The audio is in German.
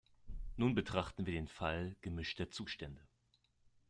Nun betrachten wir den Fall gemischter Zustände.